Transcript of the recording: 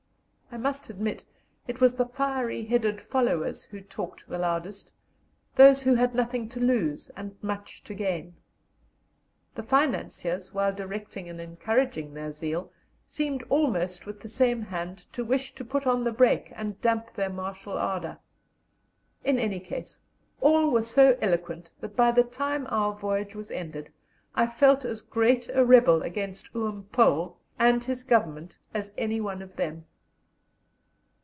I must admit it was the fiery headed followers who talked the loudest those who had nothing to lose and much to gain. The financiers, while directing and encouraging their zeal, seemed almost with the same hand to wish to put on the brake and damp their martial ardour. In any case, all were so eloquent that by the time our voyage was ended I felt as great a rebel against "Oom Paul" and his Government as any one of them.